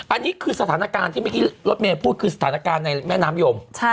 อันนี้คือสถานการณ์ที่เมื่อกี้รถเมย์พูดคือสถานการณ์ในแม่น้ำยม